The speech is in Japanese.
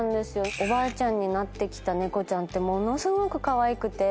おばあちゃんになってきたネコちゃんってものすごくかわいくて。